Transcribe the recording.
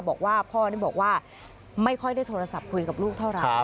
บอกว่าพ่อนี่บอกว่าไม่ค่อยได้โทรศัพท์คุยกับลูกเท่าไหร่